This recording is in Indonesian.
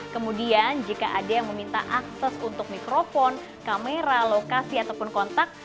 kemudian jika ada yang meminta akses untuk mikrofon kamera lokasi ataupun kontak